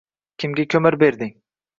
Kimga ko‘mir berding?